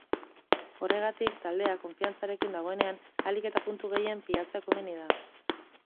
Horregatik, taldea konfiantzarekin dagoenean ahalik eta puntu gehien pilatzea komeni da.